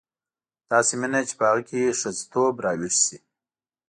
داسې مینه چې په هغه کې ښځتوب راویښ شي.